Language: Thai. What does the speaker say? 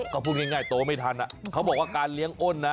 ก็พูดง่ายโตไม่ทันเขาบอกว่าการเลี้ยงอ้นนะ